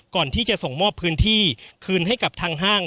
ก่อนที่จะส่งมอบพื้นที่คืนให้กับทางห้าง